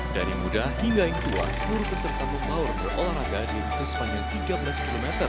dari muda hingga yang tua seluruh peserta mempawar berolahraga dihitung sepanjang tiga belas km